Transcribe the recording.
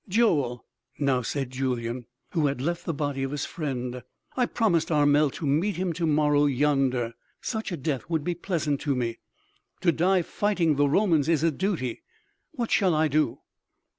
"Joel," now said Julyan, who had left the body of his friend, "I promised Armel to meet him to morrow yonder Such a death would be pleasant to me.... To die fighting the Romans is a duty.... What shall I do?"